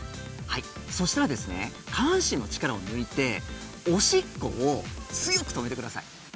そしたら、下半身の力を抜いて、おしっこを強く止めてください。